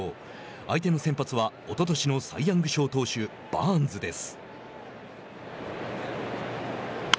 相手の先発はおととしのサイ・ヤング賞投手バーンズです。